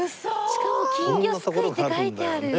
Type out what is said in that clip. しかも金魚すくいって書いてある！